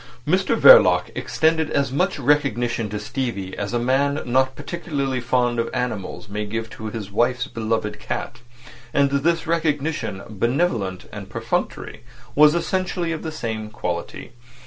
Mr Verloc extended as much recognition to Stevie as a man not particularly fond of animals may give to his wife's beloved cat; and this recognition, benevolent and perfunctory, was essentially of the same quality.